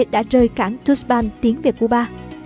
đã rời cảng tuzban tiến về cuba